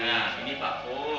nah ini pak bu